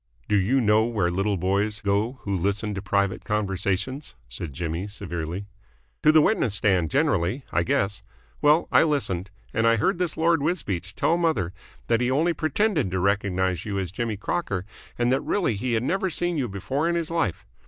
"Do you know where little boys go who listen to private conversations?" said Jimmy severely. "To the witness stand generally, I guess. Well, I listened, and I heard this Lord Wisbeach tell mother that he had only pretended to recognise you as Jimmy Crocker and that really he had never seen you before in his life.